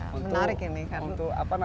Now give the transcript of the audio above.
menarik ini kan